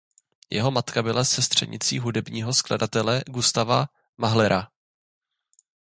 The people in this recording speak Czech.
Jeho matka byla sestřenicí hudebního skladatele Gustava Mahlera.